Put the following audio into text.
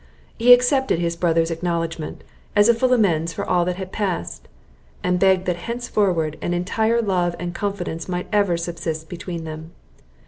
He accepted his brother's acknowledgement, as a full amends for all that had passed, and begged that henceforward an entire love and confidence might ever subsist between them.